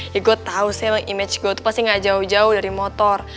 ya gue tahu semen image gue itu pasti gak jauh jauh dari motor